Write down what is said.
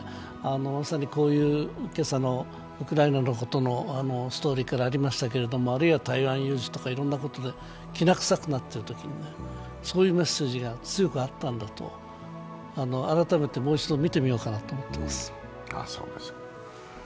まさに今朝のウクライナのストーリーからありましたけど、あるいは台湾有事とかいろんなことできな臭くなっているときに、そういうメッセージが強くあったんだと、改めてもう一度見てみようと思っています。